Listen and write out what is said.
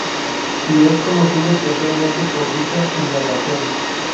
Y es conocido especialmente por dicha indagación.